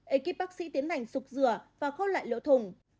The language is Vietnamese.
ekip bác sĩ tiến hành sụp rửa và khô lại lỗ thùng